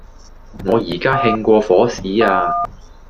我而家興過火屎呀